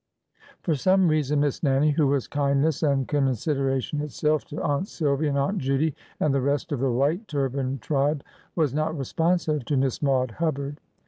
For some reason Miss Nannie, who was kindness and consideration itself to Aunt Silvy and Aunt Judy and the rest of the white turbaned tribe, was not responsive to Miss Maude Hubbard.